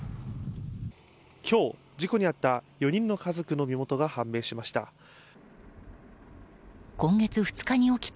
今日、事故に遭った４人の家族の身元が判明しました。